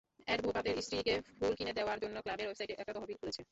অ্যাডভোকাতের স্ত্রীকে ফুল কিনে দেওয়ার জন্য ক্লাবের ওয়েবসাইটে একটা তহবিল খুলেছে।